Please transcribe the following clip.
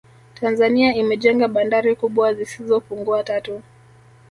Tanzania imejenga bandari kubwa zisizo pungua tatu